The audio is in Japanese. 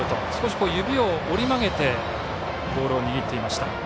少し指を折り曲げてボールを握っていました。